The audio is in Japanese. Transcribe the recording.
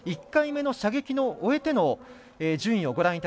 １回目の射撃を終えての順位。